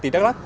tỉnh đắc lắc